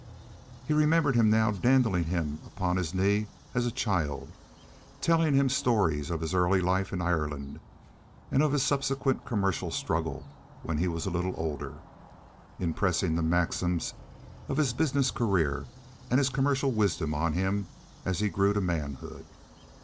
He remembered him now dandling him upon his knee as a child, telling him stories of his early life in Ireland, and of his subsequent commercial struggle when he was a little older, impressing the maxims of his business career and his commercial wisdom on him as he grew to manhood.